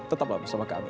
tetaplah bersama kami